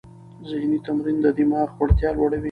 ذهني تمرین د دماغ وړتیا لوړوي.